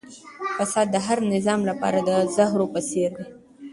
فساد د هر نظام لپاره د زهرو په څېر دی.